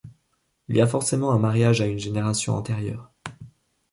Il y a forcément un mariage à une génération antérieure.